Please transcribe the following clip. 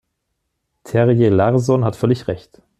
Terje Larsson hat völlig Recht.